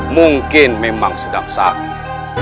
mungkin memang sedang sakit